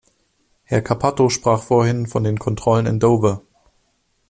Herr Cappato sprach vorhin von den Kontrollen in Dover.